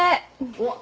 おっ！